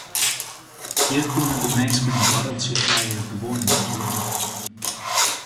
Hjir koenen de minsken in boarreltsje krije gewoan yn de keamer.